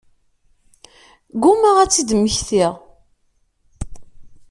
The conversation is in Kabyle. Ggumaɣ ad t-id-mmektiɣ.